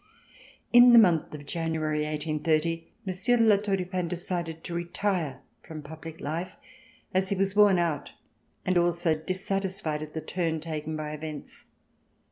In the month of January, 1830, Monsieur de La Tour du Pin decided to retire from public life, as he was worn out and also dissatisfied at the turn taken by events.